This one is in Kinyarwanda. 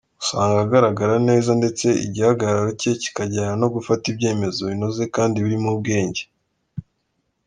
Usanga agaragara neza ndetse igihagarararo cye kikajyana no gufata ibyemezo binoze kandi birimo ubwenge.